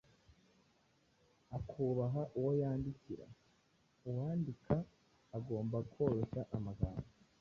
akubaha uwo yandikira. Uwandika agomba koroshya amagambo,